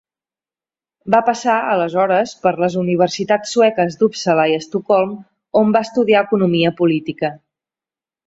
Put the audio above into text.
Va passar, aleshores, per les universitats sueques d'Uppsala i Estocolm, on va estudiar Economia política.